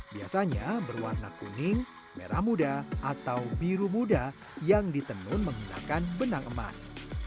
biasanya berwarna kuning merah muda atau biru muda yang ditenun menggunakan benang emas